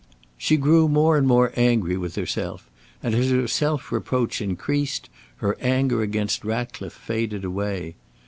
She grew more and more angry with herself, and as her self reproach increased, her anger against Ratcliffe faded away.